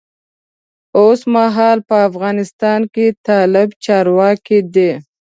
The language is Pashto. اوسمهال په افغانستان کې طالب چارواکی دی.